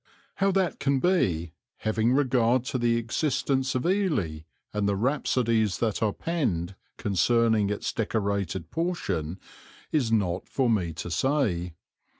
How that can be, having regard to the existence of Ely and the rhapsodies that are penned concerning its Decorated portion, it is not for me to say.